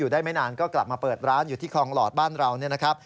ได้ไม่นานก็กลับมาเปิดร้านอยู่ที่คลองหลอดบ้านเรา